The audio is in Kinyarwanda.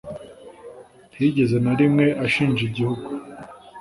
ntiyigeze na rimwe ashinja igihugu